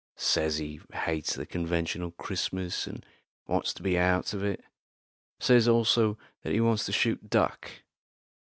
"Says he hates the conventional Christmas, and wants to be out of it; says also that he wants to shoot duck."